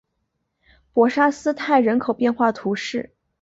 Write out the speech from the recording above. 博沙斯泰人口变化图示